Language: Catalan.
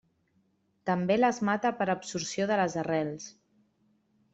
També les mata per absorció de les arrels.